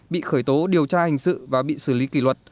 bị khởi tố điều tra hành sự và bị xử lý kỳ luật